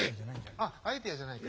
あっ「アイデア」じゃないか。